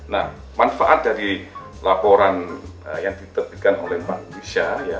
nah manfaat dari laporan yang diterbitkan oleh bank indonesia